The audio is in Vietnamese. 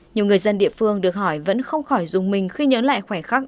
nhiều người dân địa phương được hỏi vẫn không khỏi dùng mình khi nhớ lại khoảnh khắc